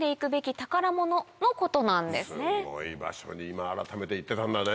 すごい場所に今改めて行ってたんだね。